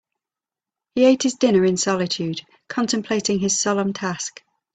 He ate his dinner in solitude, contemplating his solemn task.